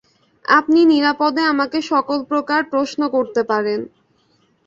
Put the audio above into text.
আপনি নিরাপদে আমাকে সকলপ্রকার প্রশ্ন করতে পারেন।